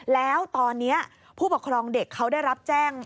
แล้วตอนนี้ผู้ปกครองเด็กเขาได้รับแจ้ง